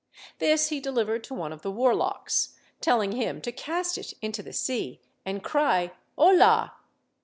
This he delivered to one of the warlocks, telling him to cast it into the sea and cry "Hola!"